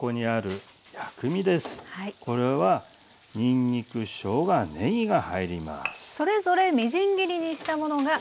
これはにんにくしょうがねぎが入ります。